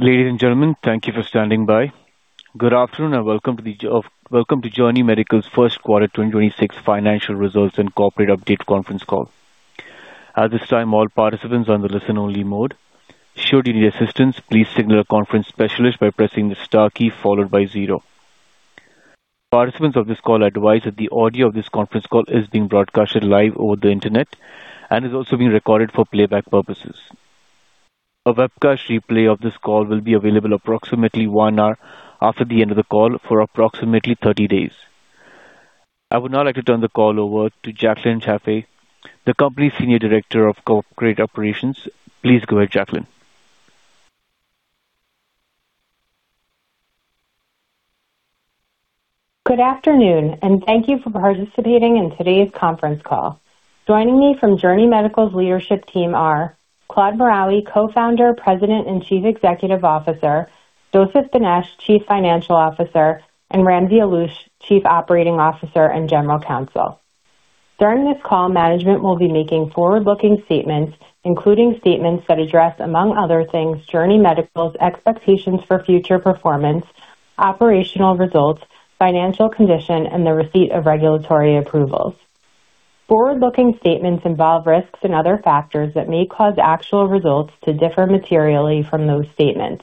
Ladies and gentlemen, thank you for standing by. Good afternoon, and welcome to Journey Medical's First Quarter 2026 Financial Results and Corporate Update Conference Call. At this time, all participants are on the listen only mode. Should you need assistance, please signal a conference specialist by pressing the star key followed by zero. Participants of this call are advised that the audio of this conference call is being broadcasted live over the Internet and is also being recorded for playback purposes. A webcast replay of this call will be available approximately one hour after the end of the call for approximately 30 days. I would now like to turn the call over to Jaclyn Jaffe, the company's Senior Director of Corporate Operations. Please go ahead, Jaclyn. Good afternoon, and thank you for participating in today's conference call. Joining me from Journey Medical's leadership team are Claude Maraoui, Co-Founder, President, and Chief Executive Officer, Joseph Benesch, Chief Financial Officer, and Ramsey Alloush, Chief Operating Officer and General Counsel. During this call, management will be making forward-looking statements, including statements that address, among other things, Journey Medical's expectations for future performance, operational results, financial condition, and the receipt of regulatory approvals. Forward-looking statements involve risks and other factors that may cause actual results to differ materially from those statements.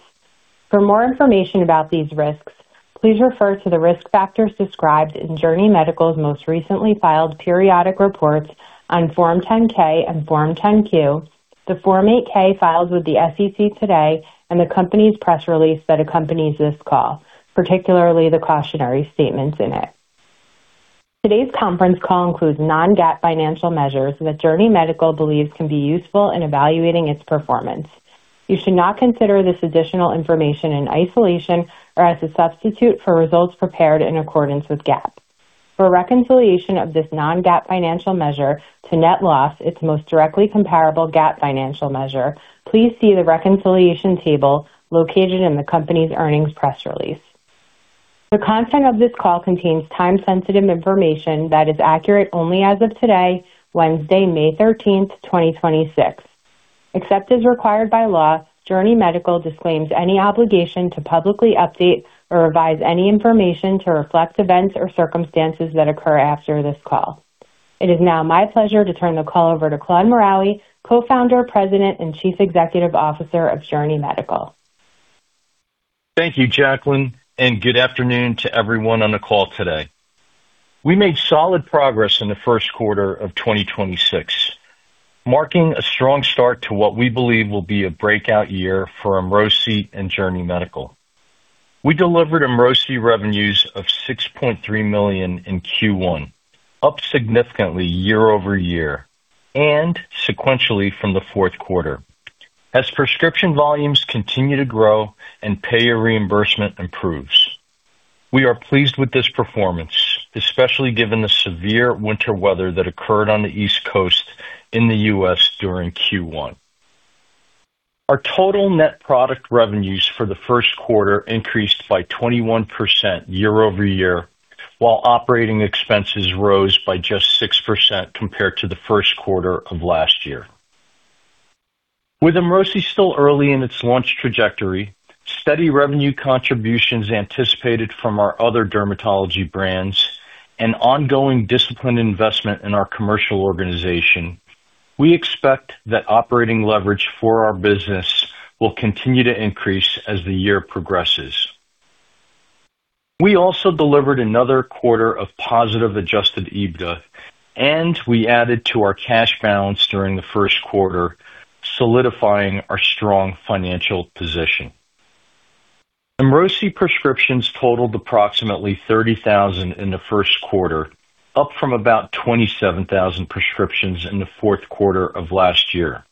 For more information about these risks, please refer to the risk factors described in Journey Medical's most recently filed periodic reports on Form 10-K and Form 10-Q, the Form 8-K filed with the SEC today, and the company's press release that accompanies this call, particularly the cautionary statements in it. Today's conference call includes non-GAAP financial measures that Journey Medical believes can be useful in evaluating its performance. You should not consider this additional information in isolation or as a substitute for results prepared in accordance with GAAP. For a reconciliation of this non-GAAP financial measure to net loss, its most directly comparable GAAP financial measure, please see the reconciliation table located in the company's earnings press release. The content of this call contains time-sensitive information that is accurate only as of today, Wednesday, May 13th, 2026. Except as required by law, Journey Medical disclaims any obligation to publicly update or revise any information to reflect events or circumstances that occur after this call. It is now my pleasure to turn the call over to Claude Maraoui, Co-founder, President, and Chief Executive Officer of Journey Medical. Thank you, Jaclyn. Good afternoon to everyone on the call today. We made solid progress in the first quarter of 2026, marking a strong start to what we believe will be a breakout year for EMROSI and Journey Medical. We delivered EMROSI revenues of $6.3 million in Q1, up significantly year-over-year and sequentially from the fourth quarter. As prescription volumes continue to grow and payer reimbursement improves, we are pleased with this performance, especially given the severe winter weather that occurred on the East Coast in the U.S. during Q1. Our total net product revenues for the first quarter increased by 21% year-over-year, while operating expenses rose by just 6% compared to the first quarter of last year. With EMROSI still early in its launch trajectory, steady revenue contributions anticipated from our other dermatology brands, and ongoing disciplined investment in our commercial organization, we expect that operating leverage for our business will continue to increase as the year progresses. We also delivered another quarter of positive adjusted EBITDA, We added to our cash balance during the first quarter, solidifying our strong financial position. EMROSI prescriptions totaled approximately 30,000 in the first quarter, up from about 27,000 prescriptions in the fourth quarter of last year.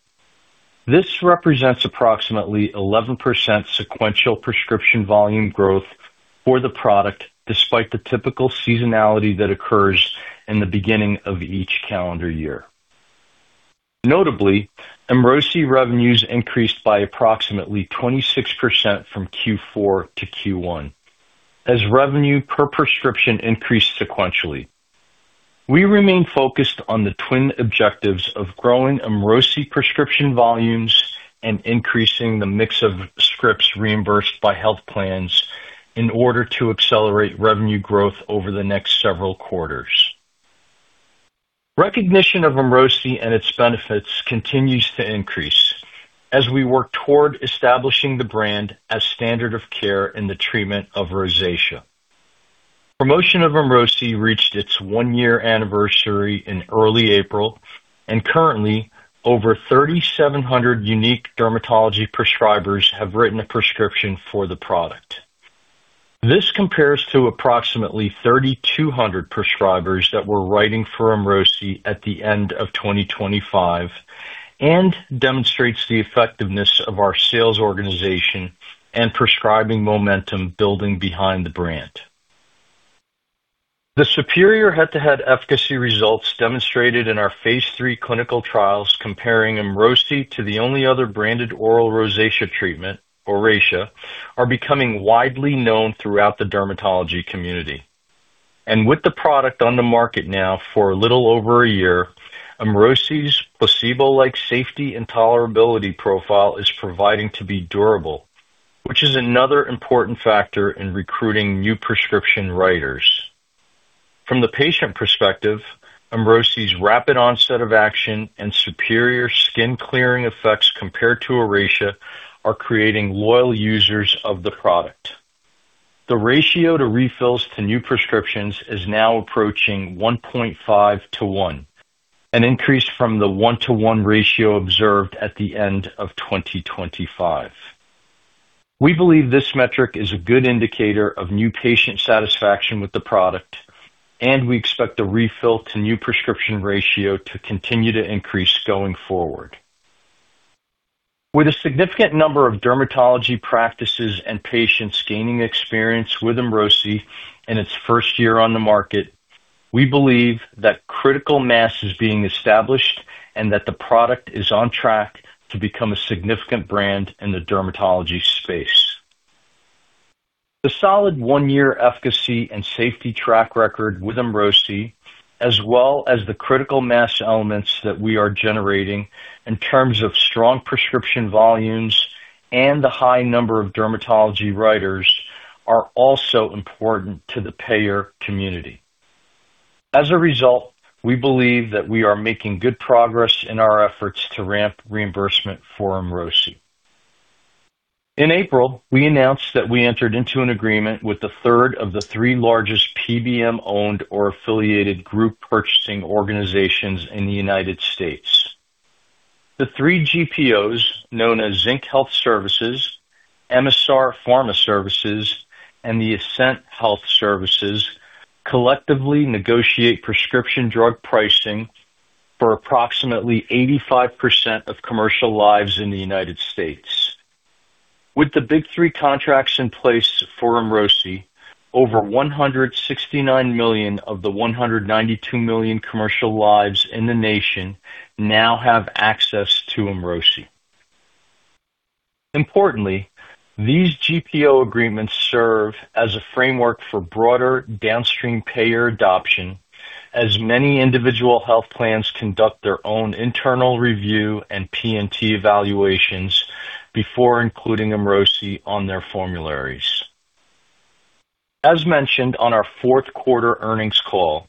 This represents approximately 11% sequential prescription volume growth for the product despite the typical seasonality that occurs in the beginning of each calendar year. Notably, EMROSI revenues increased by approximately 26% from Q4-Q1 as revenue per prescription increased sequentially. We remain focused on the twin objectives of growing EMROSI prescription volumes and increasing the mix of scripts reimbursed by health plans in order to accelerate revenue growth over the next several quarters. Recognition of EMROSI and its benefits continues to increase as we work toward establishing the brand as standard of care in the treatment of rosacea. Promotion of EMROSI reached its one-year anniversary in early April, and currently over 3,700 unique dermatology prescribers have written a prescription for the product. This compares to approximately 3,200 prescribers that were writing for EMROSI at the end of 2025 and demonstrates the effectiveness of our sales organization and prescribing momentum building behind the brand. The superior head-to-head efficacy results demonstrated in our phase III clinical trials comparing EMROSI to the only other branded oral rosacea treatment, Oracea, are becoming widely known throughout the dermatology community. With the product on the market now for a little over a year, EMROSI's placebo-like safety and tolerability profile is proving to be durable, which is another important factor in recruiting new prescription writers. From the patient perspective, EMROSI's rapid onset of action and superior skin clearing effects compared to Oracea are creating loyal users of the product. The ratio to refills to new prescriptions is now approaching 1.5-1, an increase from the 1-1 ratio observed at the end of 2025. We believe this metric is a good indicator of new patient satisfaction with the product, and we expect the refill to new prescription ratio to continue to increase going forward. With a significant number of dermatology practices and patients gaining experience with EMROSI in its first year on the market, we believe that critical mass is being established and that the product is on track to become a significant brand in the dermatology space. The solid one-year efficacy and safety track record with EMROSI, as well as the critical mass elements that we are generating in terms of strong prescription volumes and the high number of dermatology writers are also important to the payer community. As a result, we believe that we are making good progress in our efforts to ramp reimbursement for EMROSI. In April, we announced that we entered into an agreement with the third of the three largest PBM-owned or affiliated group purchasing organizations in the U.S. The three GPOs, known as Zinc Health Services, Emisar Pharma Services, and Ascent Health Services, collectively negotiate prescription drug pricing for approximately 85% of commercial lives in the U.S. With the big three contracts in place for EMROSI, over 169 million of the 192 million commercial lives in the nation now have access to EMROSI. Importantly, these GPO agreements serve as a framework for broader downstream payer adoption, as many individual health plans conduct their own internal review and P&T evaluations before including EMROSI on their formularies. As mentioned on our fourth quarter earnings call,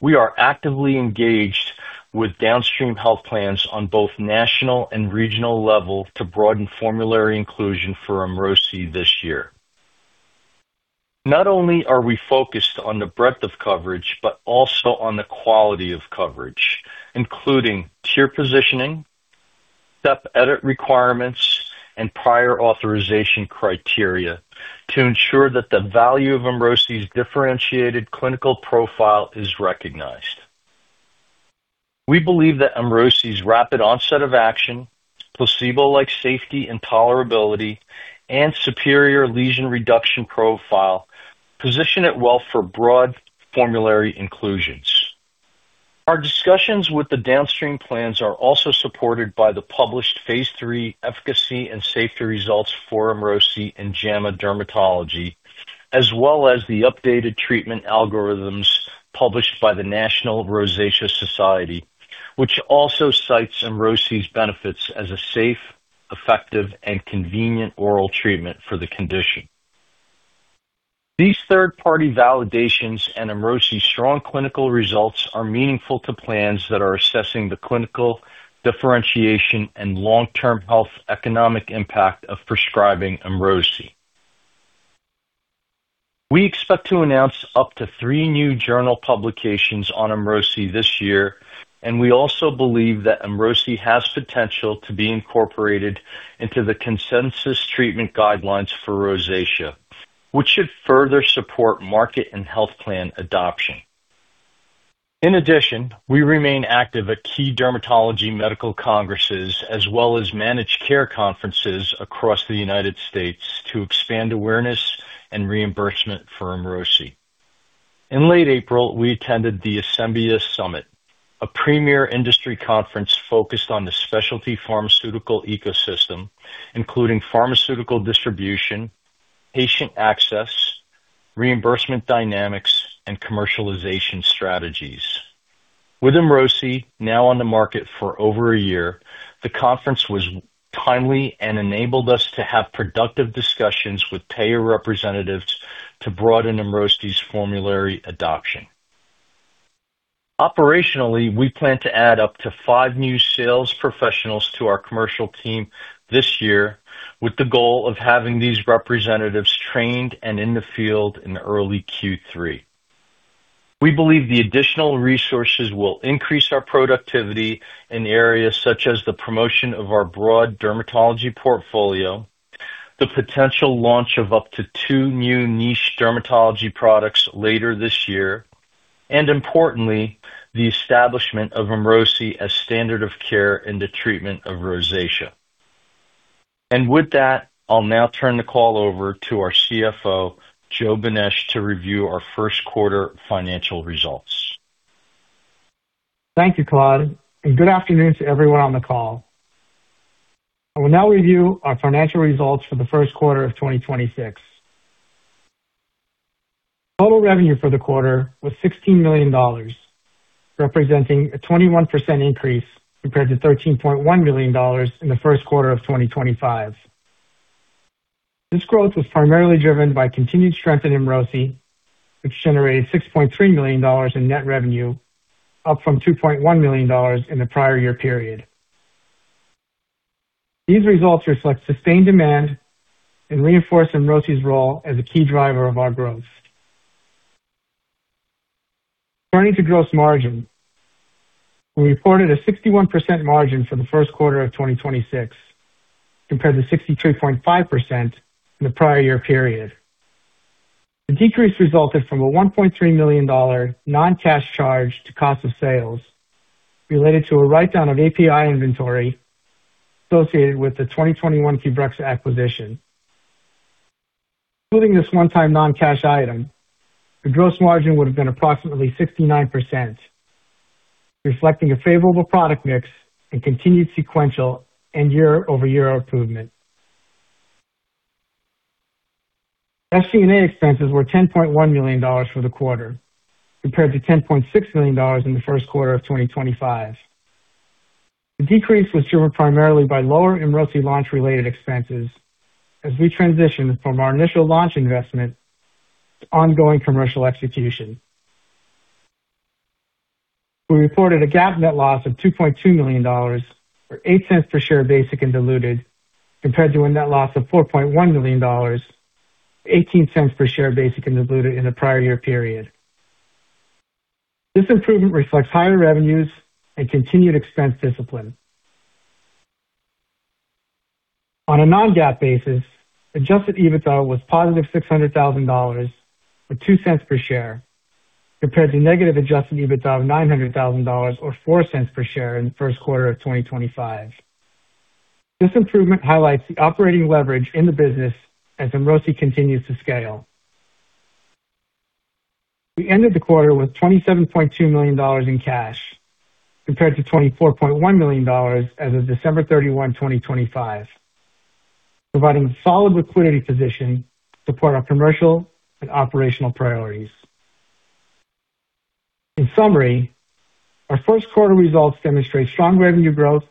we are actively engaged with downstream health plans on both national and regional level to broaden formulary inclusion for EMROSI this year. Not only are we focused on the breadth of coverage, but also on the quality of coverage, including tier positioning, step edit requirements, and prior authorization criteria to ensure that the value of EMROSI's differentiated clinical profile is recognized. We believe that EMROSI's rapid onset of action, placebo-like safety and tolerability, and superior lesion reduction profile position it well for broad formulary inclusions. Our discussions with the downstream plans are also supported by the published phase III efficacy and safety results for EMROSI in JAMA Dermatology, as well as the updated treatment algorithms published by the National Rosacea Society, which also cites EMROSI's benefits as a safe, effective, and convenient oral treatment for the condition. These third-party validations and EMROSI's strong clinical results are meaningful to plans that are assessing the clinical differentiation and long-term health economic impact of prescribing EMROSI. We expect to announce up to three new journal publications on EMROSI this year. We also believe that EMROSI has potential to be incorporated into the consensus treatment guidelines for rosacea, which should further support market and health plan adoption. In addition, we remain active at key dermatology medical congresses as well as managed care conferences across the U.S. to expand awareness and reimbursement for EMROSI. In late April, we attended the Asembia Summit, a premier industry conference focused on the specialty pharmaceutical ecosystem, including pharmaceutical distribution, patient access, reimbursement dynamics, and commercialization strategies. With EMROSI now on the market for over a year, the conference was timely and enabled us to have productive discussions with payer representatives to broaden EMROSI's formulary adoption. Operationally, we plan to add up to five new sales professionals to our commercial team this year with the goal of having these representatives trained and in the field in early Q3. We believe the additional resources will increase our productivity in areas such as the promotion of our broad dermatology portfolio, the potential launch of up to two new niche dermatology products later this year, and importantly, the establishment of EMROSI as standard of care in the treatment of rosacea. With that, I'll now turn the call over to our CFO, Joe Benesch, to review our first quarter financial results. Thank you, Claude, and good afternoon to everyone on the call. I will now review our financial results for the first quarter of 2026. Total revenue for the quarter was $16 million, representing a 21% increase compared to $13.1 million in the first quarter of 2025. This growth was primarily driven by continued strength in EMROSI, which generated $6.3 million in net revenue, up from $2.1 million in the prior year period. These results reflect sustained demand and reinforce EMROSI's role as a key driver of our growth. Turning to gross margin. We reported a 61% margin for the first quarter of 2026 compared to 63.5% in the prior year period. The decrease resulted from a $1.3 million non-cash charge to cost of sales related to a write-down of API inventory associated with the 2021 Qbrexza acquisition. Including this one-time non-cash item, the gross margin would have been approximately 69%, reflecting a favorable product mix and continued sequential and year-over-year improvement. SG&A expenses were $10.1 million for the quarter, compared to $10.6 million in the first quarter of 2025. The decrease was driven primarily by lower EMROSI launch-related expenses as we transition from our initial launch investment to ongoing commercial execution. We reported a GAAP net loss of $2.2 million, or $0.08 per share basic and diluted, compared to a net loss of $4.1 million, $0.18 per share basic and diluted in the prior year period. This improvement reflects higher revenues and continued expense discipline. On a non-GAAP basis, adjusted EBITDA was positive $600,000, or $0.02 per share, compared to negative adjusted EBITDA of $900,000 or $0.04 per share in the first quarter of 2025. This improvement highlights the operating leverage in the business as EMROSI continues to scale. We ended the quarter with $27.2 million in cash, compared to $24.1 million as of December 31, 2025, providing a solid liquidity position to support our commercial and operational priorities. In summary, our first quarter results demonstrate strong revenue growth,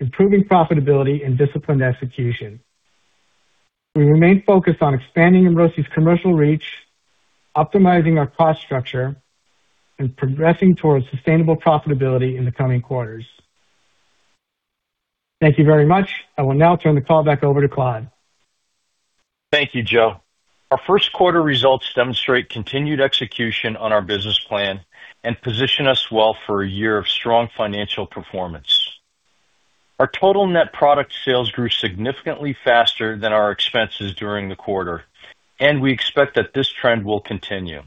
improving profitability and disciplined execution. We remain focused on expanding EMROSI's commercial reach, optimizing our cost structure, and progressing towards sustainable profitability in the coming quarters. Thank you very much. I will now turn the call back over to Claude. Thank you, Joe. Our first quarter results demonstrate continued execution on our business plan and position us well for a year of strong financial performance. Our total net product sales grew significantly faster than our expenses during the quarter. We expect that this trend will continue.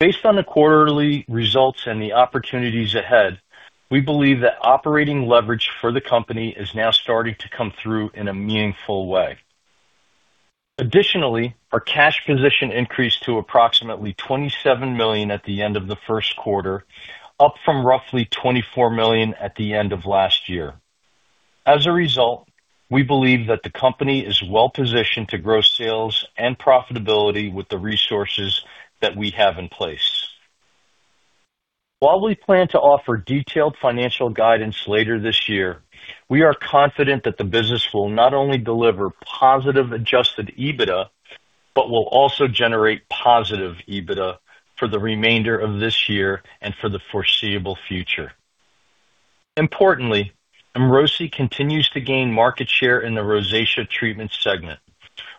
Based on the quarterly results and the opportunities ahead, we believe that operating leverage for the company is now starting to come through in a meaningful way. Additionally, our cash position increased to approximately $27 million at the end of the first quarter, up from roughly $24 million at the end of last year. As a result, we believe that the company is well-positioned to grow sales and profitability with the resources that we have in place. While we plan to offer detailed financial guidance later this year, we are confident that the business will not only deliver positive adjusted EBITDA, but will also generate positive EBITDA for the remainder of this year and for the foreseeable future. Importantly, EMROSI continues to gain market share in the rosacea treatment segment,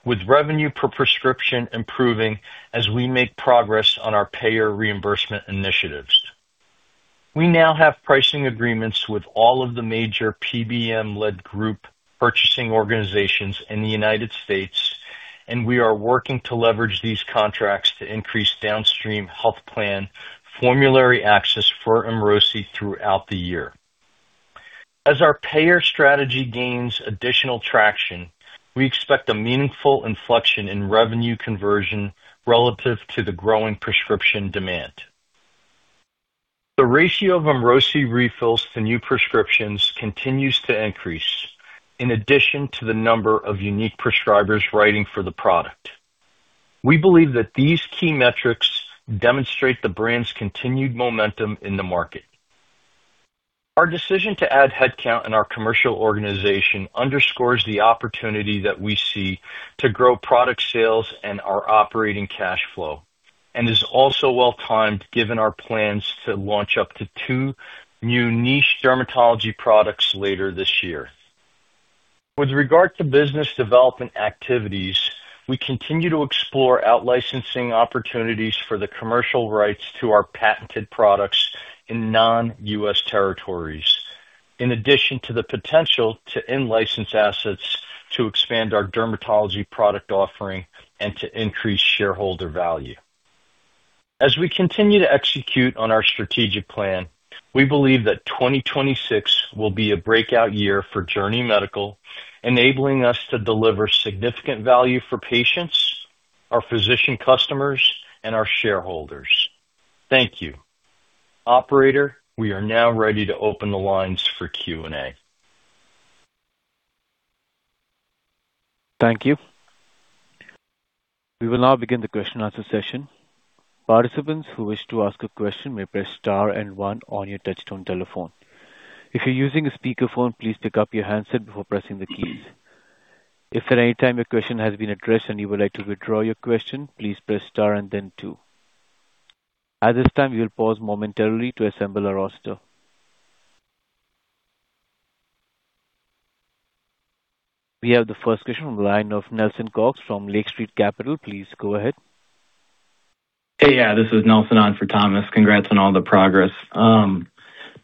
with revenue per prescription improving as we make progress on our payer reimbursement initiatives. We now have pricing agreements with all of the major PBM-led group purchasing organizations in the U.S. We are working to leverage these contracts to increase downstream health plan formulary access for EMROSI throughout the year. As our payer strategy gains additional traction, we expect a meaningful inflection in revenue conversion relative to the growing prescription demand. The ratio of EMROSI refills to new prescriptions continues to increase in addition to the number of unique prescribers writing for the product. We believe that these key metrics demonstrate the brand's continued momentum in the market. Our decision to add headcount in our commercial organization underscores the opportunity that we see to grow product sales and our operating cash flow, is also well-timed given our plans to launch up to two new niche dermatology products later this year. With regard to business development activities, we continue to explore out-licensing opportunities for the commercial rights to our patented products in non-U.S. territories, in addition to the potential to in-license assets to expand our dermatology product offering and to increase shareholder value. As we continue to execute on our strategic plan, we believe that 2026 will be a breakout year for Journey Medical, enabling us to deliver significant value for patients, our physician customers, and our shareholders. Thank you. Operator, we are now ready to open the lines for Q&A. Thank you. We will now begin the question and answer session. Participants who wish to ask a question may press star and one on your touchtone telephone. If you're using a speakerphone, please pick up your handset before pressing the keys. If at any time your question has been addressed and you would like to withdraw your question, please press star and then two. At this time, we will pause momentarily to assemble our roster. We have the first question on the line of Nelson Cox from Lake Street Capital. Please go ahead. Hey. Yeah, this is Nelson on for Thomas. Congrats on all the progress.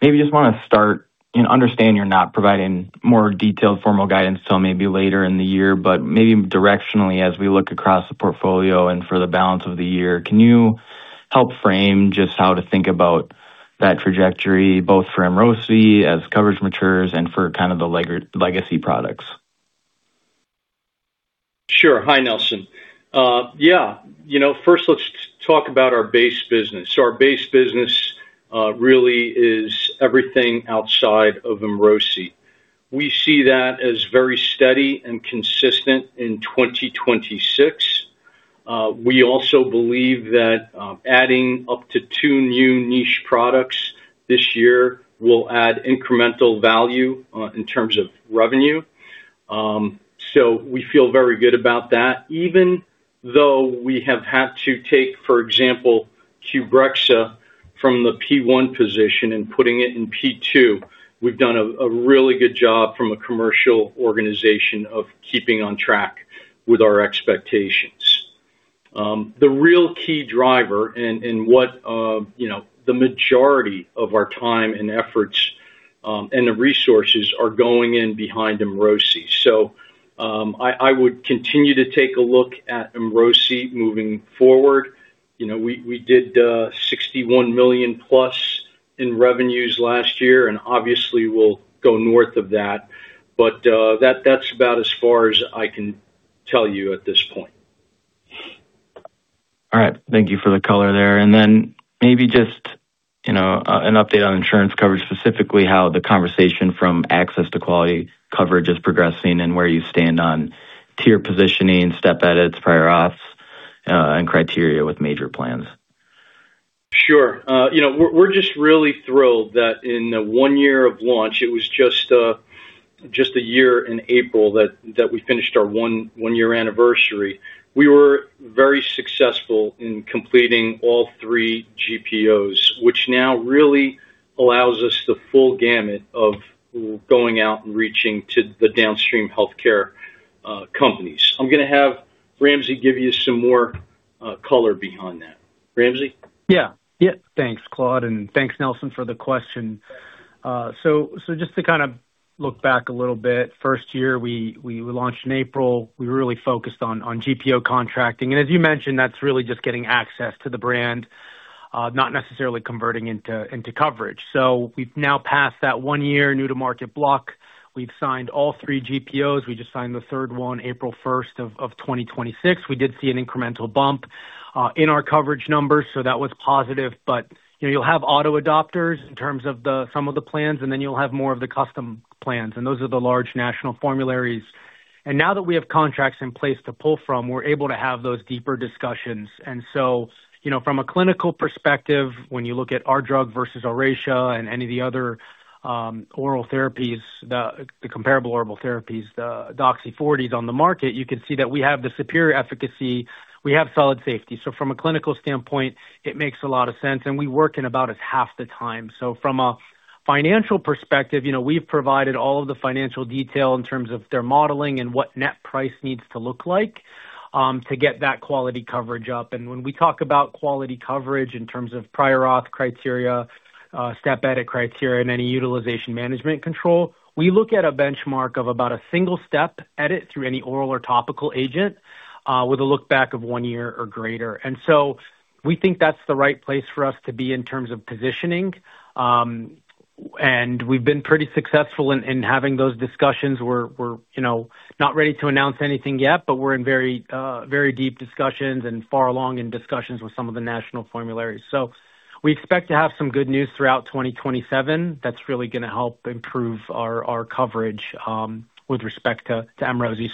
Maybe just wanna start and understand you're not providing more detailed formal guidance till maybe later in the year. Maybe directionally as we look across the portfolio and for the balance of the year, can you help frame just how to think about that trajectory, both for EMROSI as coverage matures and for kind of the legacy products? Sure. Hi, Nelson. You know, first let's talk about our base business. Our base business really is everything outside of EMROSI. We see that as very steady and consistent in 2026. We also believe that adding up to two new niche products this year will add incremental value in terms of revenue. We feel very good about that. Even though we have had to take, for example, Qbrexza from the P1 position and putting it in P2, we've done a really good job from a commercial organization of keeping on track with our expectations. The real key driver and what, you know, the majority of our time and efforts and the resources are going in behind EMROSI. I would continue to take a look at EMROSI moving forward. You know, we did $61 million plus in revenues last year. Obviously we'll go north of that. That's about as far as I can tell you at this point. All right. Thank you for the color there. Maybe just, you know, an update on insurance coverage, specifically how the conversation from access to quality coverage is progressing and where you stand on tier positioning, step edits, prior auths, and criteria with major plans. Sure. You know, we're just really thrilled that in the one year of launch, it was just a year in April that we finished our one-year anniversary. We were very successful in completing all three GPOs, which now really allows us the full gamut of going out and reaching to the downstream healthcare companies. I'm gonna have Ramsey give you some more color behind that. Ramsey? Thanks, Claude, and thanks, Nelson, for the question. Just to kind of look back a little bit, first year we launched in April, we really focused on GPO contracting. As you mentioned, that's really just getting access to the brand, not necessarily converting into coverage. We've now passed that one year new to market block. We've signed all three GPOs. We just signed the third one April 1st of 2026. We did see an incremental bump in our coverage numbers, so that was positive. You know, you'll have auto adopters in terms of some of the plans, and then you'll have more of the custom plans, and those are the large national formularies. Now that we have contracts in place to pull from, we're able to have those deeper discussions. You know, from a clinical perspective, when you look at our drug versus Oracea and any of the other oral therapies, the comparable oral therapies, doxycycline 40 mg on the market, you can see that we have the superior efficacy. We have solid safety. From a clinical standpoint, it makes a lot of sense, and we work in about as half the time. From a financial perspective, you know, we've provided all of the financial detail in terms of their modeling and what net price needs to look like to get that quality coverage up. When we talk about quality coverage in terms of prior auth criteria, step edit criteria, and any utilization management control, we look at a benchmark of about a single step edit through any oral or topical agent with a look back of one year or greater. We think that's the right place for us to be in terms of positioning. We've been pretty successful in having those discussions. You know, not ready to announce anything yet, but we're in very deep discussions and far along in discussions with some of the national formularies. We expect to have some good news throughout 2027 that's really gonna help improve our coverage with respect to EMROSI.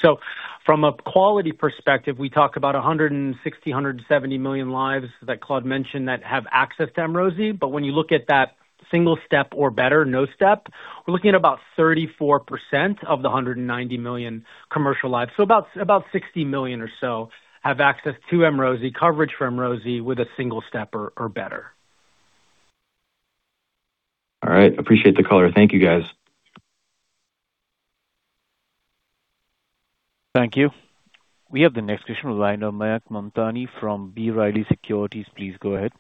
From a quality perspective, we talk about 160 million, 170 million lives that Claude Maraoui mentioned that have access to EMROSI. When you look at that single step or better, no step, we're looking at about 34% of the 190 million commercial lives. About 60 million or so have access to EMROSI, coverage for EMROSI with a single step or better. All right. Appreciate the color. Thank you, guys. Thank you. We have the next question on the line of Mayank Mamtani from B. Riley Securities. Please go ahead.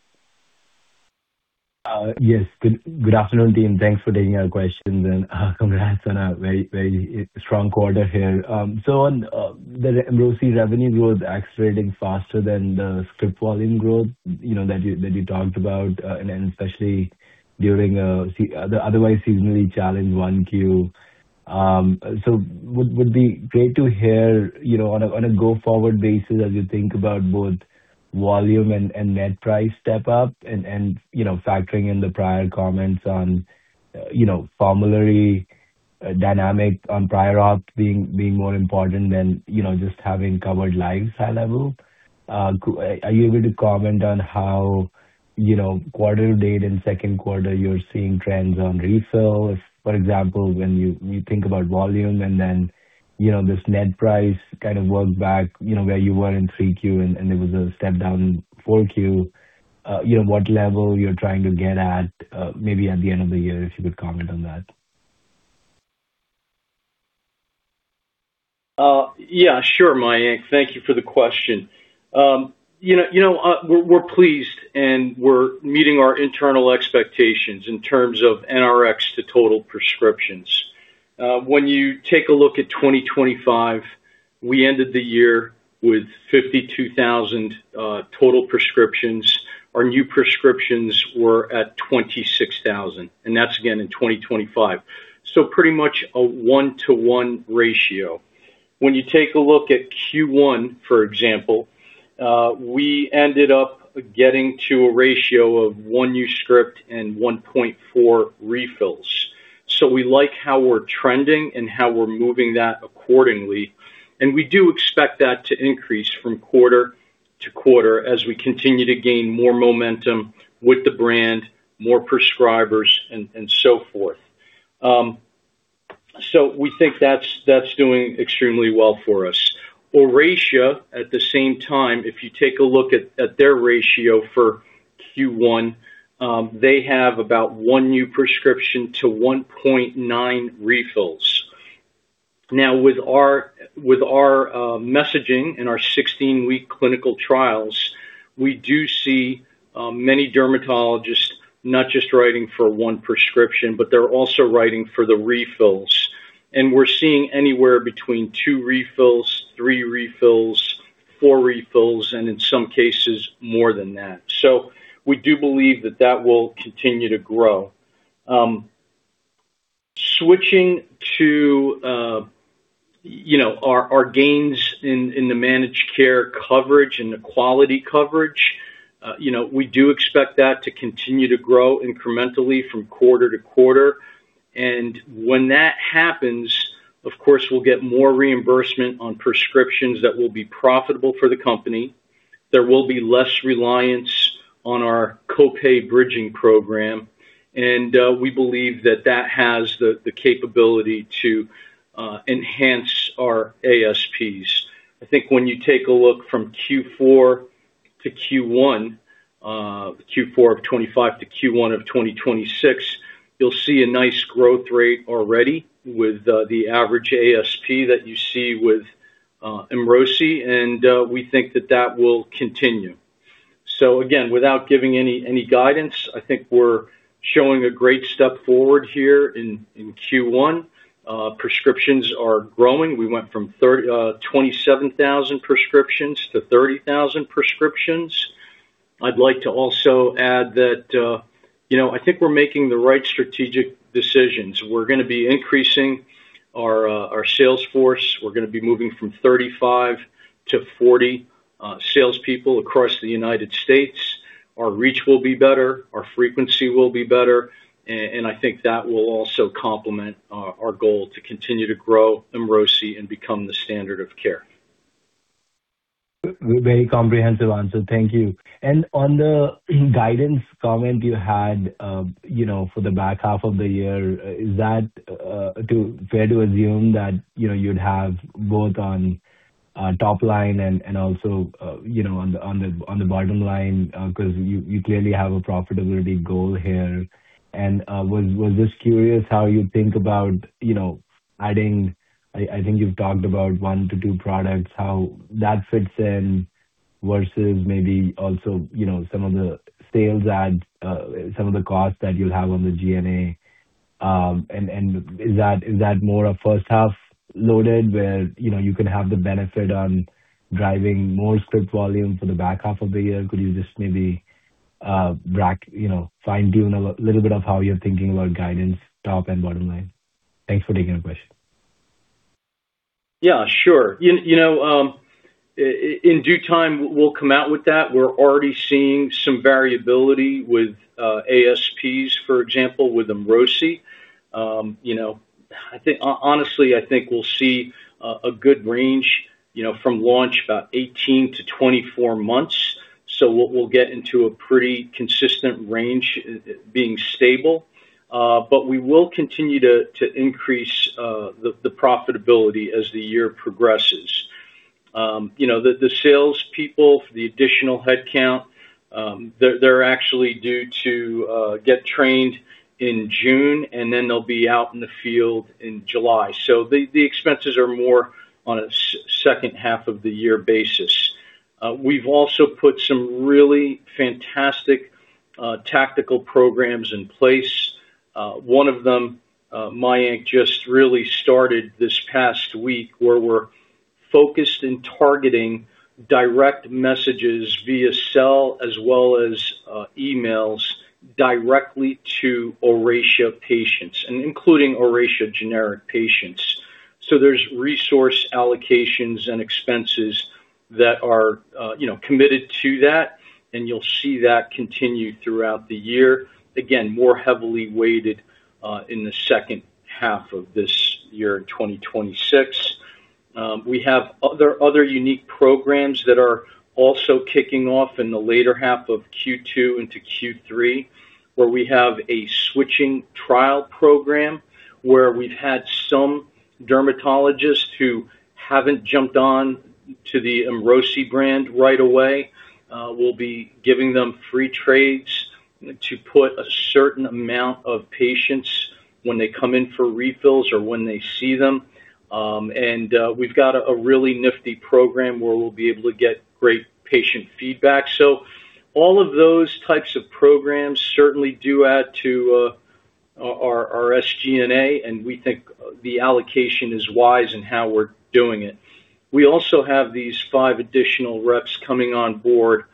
Yes. Good afternoon, team. Thanks for taking our questions and congrats on a very strong quarter here. On the EMROSI revenues was accelerating faster than the script volume growth, you know, that you talked about, and especially during otherwise seasonally challenged 1Q. Would be great to hear, you know, on a go-forward basis as you think about both volume and net price step up and, you know, factoring in the prior comments on, you know, formulary dynamic on prior authorizations being more important than, you know, just having covered lives high level. Are you able to comment on how, you know, quarter-to-date in second quarter you're seeing trends on refills? For example, when you think about volume and then, you know, this net price kind of work back, you know, where you were in 3Q and there was a step down in 4Q. you know, what level you're trying to get at, maybe at the end of the year, if you could comment on that? Yeah. Sure, Mayank. Thank you for the question. You know, you know, we're pleased, we're meeting our internal expectations in terms of NRX to total prescriptions. When you take a look at 2025, we ended the year with 52,000 total prescriptions. Our new prescriptions were at 26,000, that's again in 2025. Pretty much a 1-1 ratio. When you take a look at Q1, for example, we ended up getting to a ratio of one new script and 1.4 refills. We like how we're trending and how we're moving that accordingly, we do expect that to increase from quarter-to-quarter as we continue to gain more momentum with the brand, more prescribers and so forth. We think that's doing extremely well for us. Oracea, at the same time, if you take a look at their ratio for Q1, they have about one new prescription to 1.9 refills. With our messaging and our 16-week clinical trials, we do see many dermatologists not just writing for one prescription, but they're also writing for the refills. We're seeing anywhere between two refills, three refills, four refills, and in some cases more than that. We do believe that will continue to grow. Switching to our gains in the managed care coverage and the quality coverage, we do expect that to continue to grow incrementally from quarter-to-quarter. When that happens, of course, we'll get more reimbursement on prescriptions that will be profitable for the company. There will be less reliance on our co-pay bridging program. We believe that that has the capability to enhance our ASPs. I think when you take a look from Q4-Q1, Q4 of 2025 to Q1 of 2026, you'll see a nice growth rate already with the average ASP that you see with EMROSI, and we think that that will continue. Again, without giving any guidance, I think we're showing a great step forward here in Q1. Prescriptions are growing. We went from 27,000 prescriptions to 30,000 prescriptions. I'd like to also add that, you know, I think we're making the right strategic decisions. We're gonna be increasing our sales force. We're gonna be moving from 35-40 salespeople across the U.S. Our reach will be better, our frequency will be better, and I think that will also complement our goal to continue to grow EMROSI and become the standard of care. Very comprehensive answer. Thank you. On the guidance comment you had, you know, for the back half of the year, is that to fair to assume that, you know, you'd have both on top line and also, you know, on the, on the, on the bottom line, 'cause you clearly have a profitability goal here. Was just curious how you think about, you know, adding I think you've talked about one-two products, how that fits in versus maybe also, you know, some of the sales adds, some of the costs that you'll have on the SG&A. And is that more a first half loaded where, you know, you can have the benefit on driving more script volume for the back half of the year? Could you just maybe, you know, fine-tune a little bit of how you're thinking about guidance top and bottom line? Thanks for taking the question. Yeah, sure. You know, in due time, we'll come out with that. We're already seeing some variability with ASPs, for example, with EMROSI. You know, I think honestly, I think we'll see a good range, you know, from launch about 18-24 months. We'll get into a pretty consistent range, being stable. We will continue to increase the profitability as the year progresses. You know, the salespeople, the additional headcount, they're actually due to get trained in June, and then they'll be out in the field in July. The expenses are more on a second half of the year basis. We've also put some really fantastic tactical programs in place. One of them, Mayank, just really started this past week, where we're focused in targeting direct messages via cell as well as emails directly to Oracea patients, including Oracea generic patients. There's resource allocations and expenses that are, you know, committed to that, and you'll see that continue throughout the year. Again, more heavily weighted in the second half of this year, in 2026. We have other unique programs that are also kicking off in the later half of Q2 into Q3, where we have a switching trial program where we've had some dermatologists who haven't jumped on to the EMROSI brand right away. We'll be giving them free trades to put a certain amount of patients when they come in for refills or when they see them. We've got a really nifty program where we'll be able to get great patient feedback. All of those types of programs certainly do add to our SG&A, and we think the allocation is wise in how we're doing it. We also have these five additional reps coming on board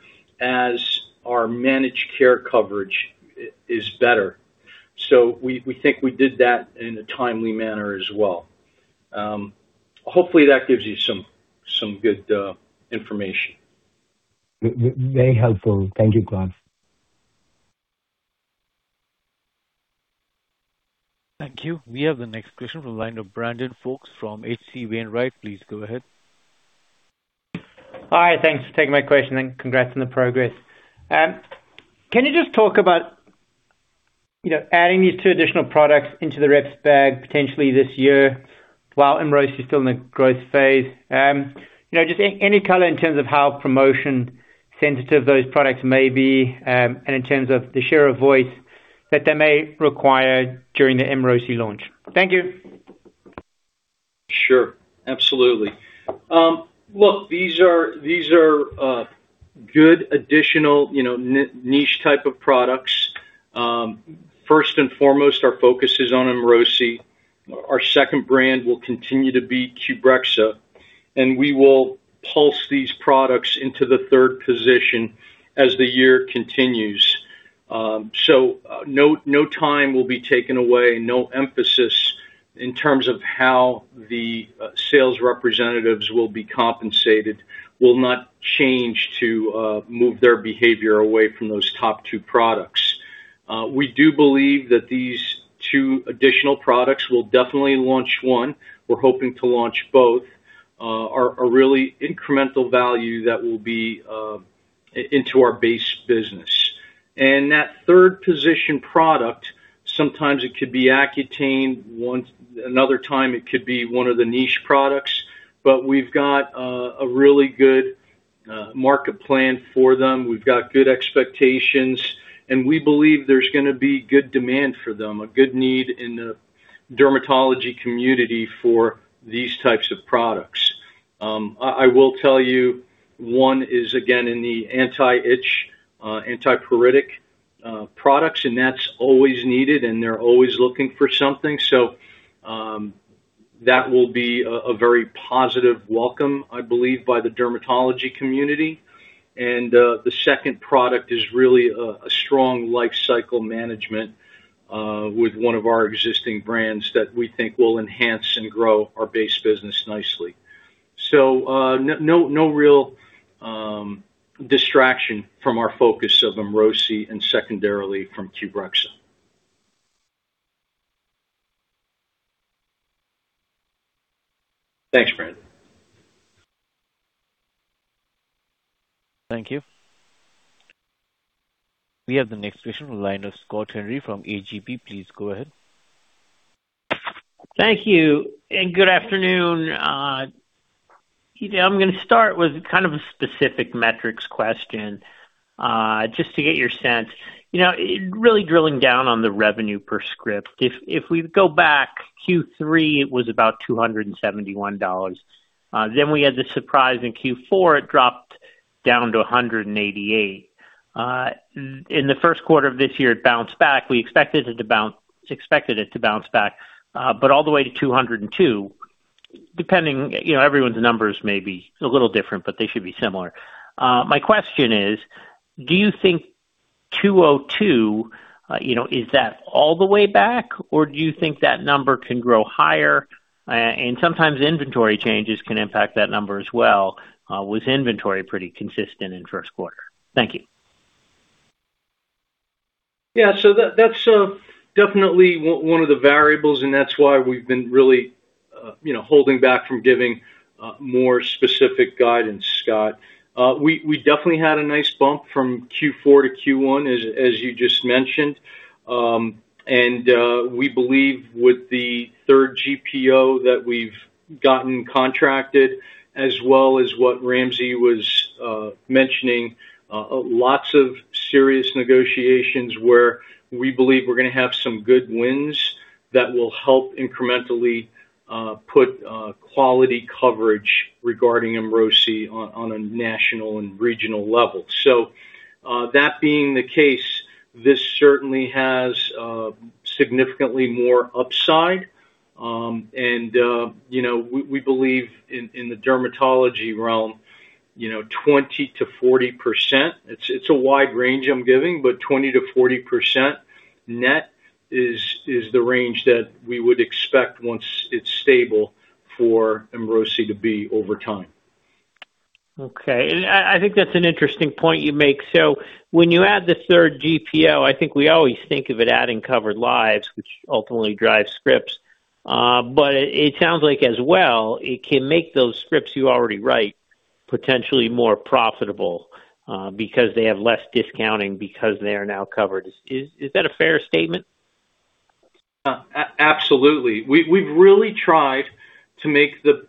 as our managed care coverage is better. We think we did that in a timely manner as well. Hopefully that gives you some good information. Very helpful. Thank you, Claude. Thank you. We have the next question from the line of Brandon Folkes from H.C. Wainwright. Please go ahead. Hi. Thanks for taking my question, and congrats on the progress. Can you just talk about, you know, adding these two additional products into the reps bag potentially this year while EMROSI is still in the growth phase? You know, just any color in terms of how promotion sensitive those products may be, and in terms of the share of voice that they may require during the EMROSI launch. Thank you. Sure. Absolutely. Look, these are good additional, you know, niche type of products. First and foremost, our focus is on EMROSI. Our second brand will continue to be Qbrexza, and we will pulse these products into the third position as the year continues. No time will be taken away, no emphasis in terms of how the sales representatives will be compensated will not change to move their behavior away from those top two products. We do believe that these two additional products will definitely launch one. We're hoping to launch both, are really incremental value that will be into our base business. That third position product, sometimes it could be Accutane once, another time it could be one of the niche products, but we've got a really good market plan for them. We've got good expectations, we believe there's gonna be good demand for them, a good need in the dermatology community for these types of products. I will tell you, one is again in the anti-itch, antipruritic products, and that's always needed and they're always looking for something. That will be a very positive welcome, I believe, by the dermatology community. The second product is really a strong lifecycle management with one of our existing brands that we think will enhance and grow our base business nicely. No real distraction from our focus of EMROSI and secondarily from Qbrexza. Thanks, Brandon. Thank you. We have the next question from the line of Scott Henry from A.G.P. Please go ahead. Thank you, and good afternoon. I'm gonna start with kind of a specific metrics question, just to get your sense. You know, really drilling down on the revenue per script. If we go back Q3, it was about $271. We had the surprise in Q4, it dropped down to $188. In the first quarter of this year, it bounced back. We expected it to bounce back all the way to $202, depending, you know, everyone's numbers may be a little different, but they should be similar. My question is: Do you think $202, you know, is that all the way back, or do you think that number can grow higher? Sometimes inventory changes can impact that number as well. Was inventory pretty consistent in first quarter? Thank you. Yeah. That's definitely one of the variables, and that's why we've been really, you know, holding back from giving more specific guidance, Scott. We definitely had a nice bump from Q4-Q1, as you just mentioned. We believe with the third GPO that we've gotten contracted, as well as what Ramsey was mentioning lots of serious negotiations where we believe we're gonna have some good wins that will help incrementally put quality coverage regarding EMROSI on a national and regional level. That being the case, this certainly has significantly more upside. You know, we believe in the dermatology realm, you know, 20%-40%.It's a wide range I'm giving, but 20%-40% net is the range that we would expect once it's stable for EMROSI to be over time. I think that's an interesting point you make. When you add the third GPO, I think we always think of it adding covered lives, which ultimately drives scripts. But it sounds like as well it can make those scripts you already write potentially more profitable, because they have less discounting because they are now covered. Is that a fair statement? Absolutely. We've really tried to make the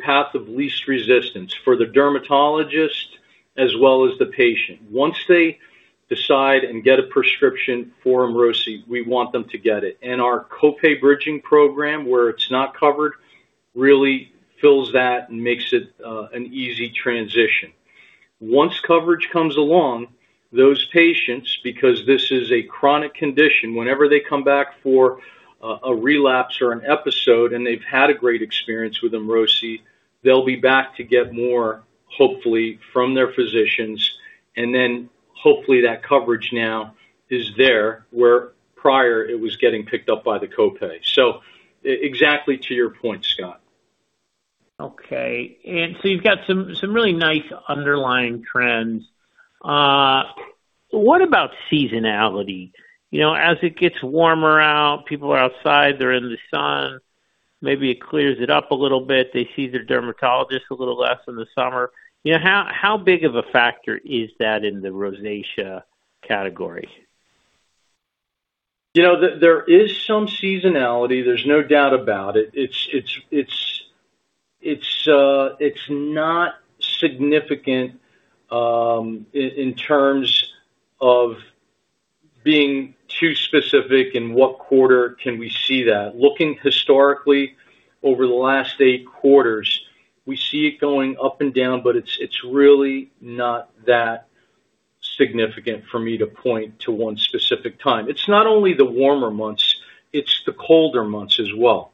path of least resistance for the dermatologist as well as the patient. Once they decide and get a prescription for EMROSI, we want them to get it. Our co-pay bridging program, where it's not covered, really fills that and makes it an easy transition. Once coverage comes along, those patients, because this is a chronic condition, whenever they come back for a relapse or an episode and they've had a great experience with EMROSI, they'll be back to get more, hopefully from their physicians. Hopefully that coverage now is there, where prior it was getting picked up by the co-pay. Exactly to your point, Scott. Okay. You've got some really nice underlying trends. What about seasonality? You know, as it gets warmer out, people are outside, they're in the sun, maybe it clears it up a little bit. They see their dermatologist a little less in the summer. You know, how big of a factor is that in the rosacea category? You know, there is some seasonality. There's no doubt about it. It's not significant in terms of being too specific in what quarter can we see that. Looking historically over the last eight quarters, we see it going up and down, but it's really not that significant for me to point to one specific time. It's not only the warmer months, it's the colder months as well.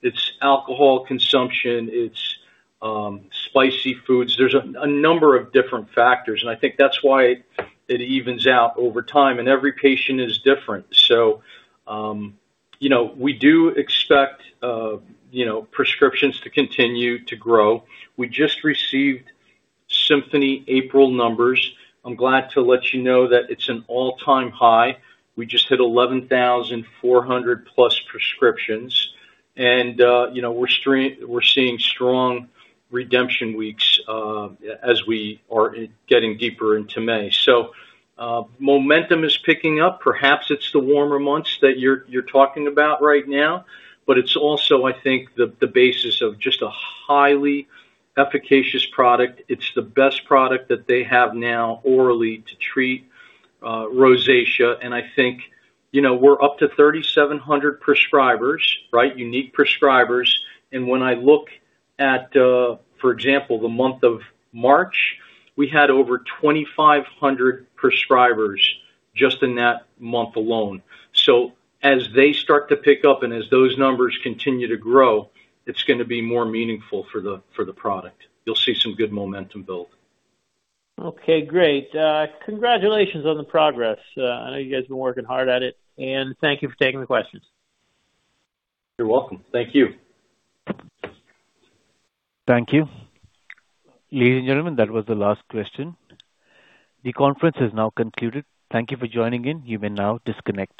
It's alcohol consumption, it's spicy foods. There's a number of different factors, and I think that's why it evens out over time and every patient is different. You know, we do expect, you know, prescriptions to continue to grow. We just received Symphony April numbers. I'm glad to let you know that it's an all-time high. We just hit 11,400+ prescriptions. You know, we're seeing strong redemption weeks as we are getting deeper into May. Momentum is picking up. Perhaps it's the warmer months that you're talking about right now. It's also, I think, the basis of just a highly efficacious product. It's the best product that they have now orally to treat rosacea. I think, you know, we're up to 3,700 prescribers, right? Unique prescribers. When I look at, for example, the month of March, we had over 2,500 prescribers just in that month alone. As they start to pick up and as those numbers continue to grow, it's gonna be more meaningful for the product. You'll see some good momentum build. Okay, great. Congratulations on the progress. I know you guys have been working hard at it. Thank you for taking the questions. You're welcome. Thank you. Thank you. Ladies and gentlemen, that was the last question. The conference has now concluded. Thank you for joining in. You may now disconnect.